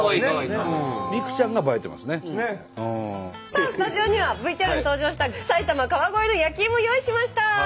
さあスタジオにはＶＴＲに登場した埼玉川越の焼きイモ用意しました！